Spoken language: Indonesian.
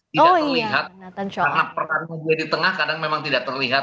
tidak terlihat karena perannya dia di tengah kadang memang tidak terlihat